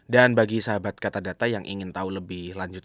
dan bagi sahabat katadata yang ingin tau lebih lanjut